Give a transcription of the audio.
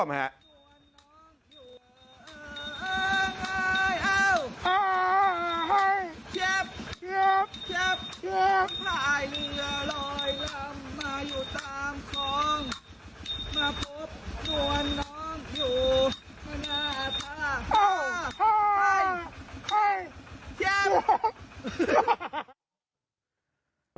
เจ๊บ